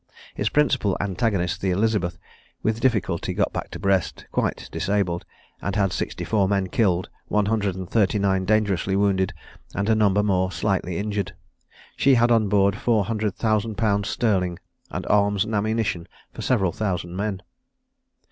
His principal antagonist, the Elizabeth, with difficulty got back to Brest, quite disabled, and had sixty four men killed, one hundred and thirty nine dangerously wounded, and a number more slightly injured. She had on board four hundred thousand pounds sterling, and arms and ammunition for several thousand men.